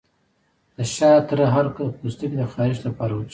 د شاه تره عرق د پوستکي د خارښ لپاره وڅښئ